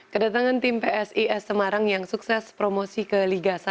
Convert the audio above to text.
kedatangan tim psis semarang yang sukses promosi ke liga satu